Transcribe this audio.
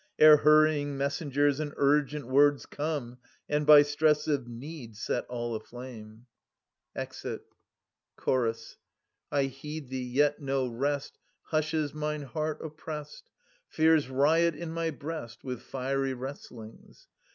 Ere hurrying messengers and urgent words Come, and by stress of need set all aflame. [Exit \ THE SEVEN AGAINST THEBES. 17 Chorus. (Sir. i) I heed thee, yet no rest Hushes mine heart oppressed : Fears riot in my breast With fiery wrestlings.